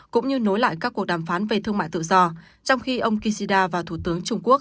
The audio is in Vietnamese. cũng như nối lại các cuộc đàm phán về thương mại tự do trong khi ông kishida và thủ tướng trung quốc